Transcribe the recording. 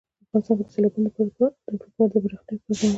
افغانستان کې د سیلابونه لپاره دپرمختیا پروګرامونه شته.